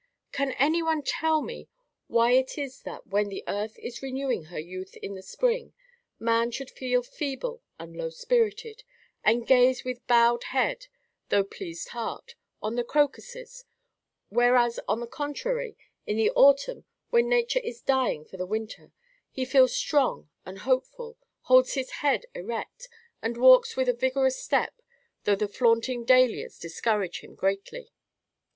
Can any one tell me why it is that, when the earth is renewing her youth in the spring, man should feel feeble and low spirited, and gaze with bowed head, though pleased heart, on the crocuses; whereas, on the contrary, in the autumn, when nature is dying for the winter, he feels strong and hopeful, holds his head erect, and walks with a vigorous step, though the flaunting dahlias discourage him greatly?